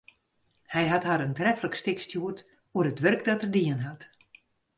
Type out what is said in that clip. Hy hat har in treflik stik stjoerd oer it wurk dat er dien hat.